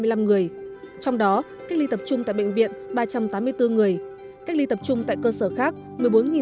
trong đó cách ly tập trung tại bệnh viện ba trăm tám mươi bốn người cách ly tập trung tại cơ sở khác một mươi bốn tám trăm linh tám người